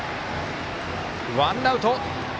ワンアウト。